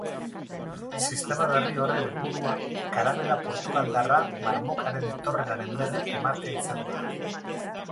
Sistema berri horren helburua karabela portugaldarra marmokaren etorreraren berri ematea izango da.